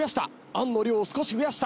あんの量を少し増やした。